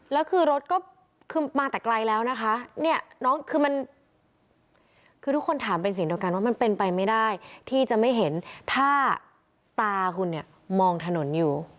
แล้วคือรถก็คือมาแต่ไกลแล้วนะคะเนี่ยน้องคือมันคือทุกคนถามเป็นเสียงเดียวกันว่ามันเป็นไปไม่ได้ที่จะไม่เห็นถ้าตาคุณเนี่ยมองถนนอยู่